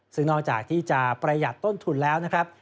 ซึ่งนอกจากที่จะประหยัดต้นทุนแล้วนะครับ